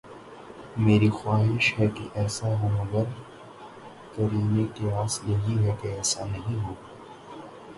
میری خواہش ہے کہ ایسا ہو مگر قرین قیاس یہی کہ ایسا نہیں ہو گا۔